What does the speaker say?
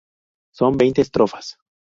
Son veinte estrofas.